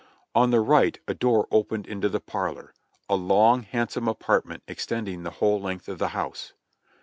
On the right a door opened into the parlor, a long, handsome apartment extending the whole length of the house.